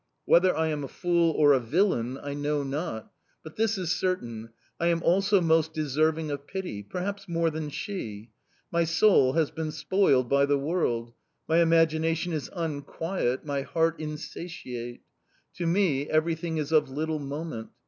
Whether I am a fool or a villain I know not; but this is certain, I am also most deserving of pity perhaps more than she. My soul has been spoiled by the world, my imagination is unquiet, my heart insatiate. To me everything is of little moment.